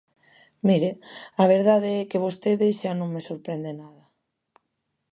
Mire, a verdade é que vostede xa non me sorprende nada.